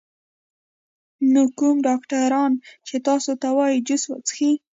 نو کوم ډاکټران چې تاسو ته وائي جوس څښئ